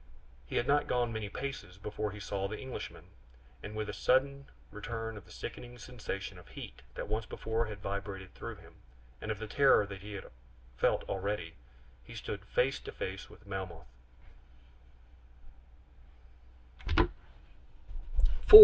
He had not gone many paces before he saw the Englishman, and with a sudden return of the sickening sensation of heat that once before had vibrated through him, and of the terror that he had felt already, he stood face to face with Melmoth.